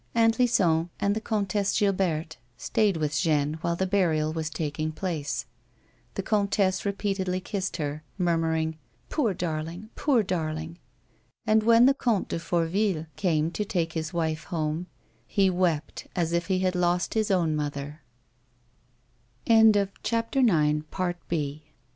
Aunt Lison and the Comtesse Gilberte stayed with Jeanne while the burial was taking place. The comtesse repeatedly kissed her, murmiiring : "Poor darling, poor darling," and when the Comte de Fourville came to take his wife home, he wept as if he had lost his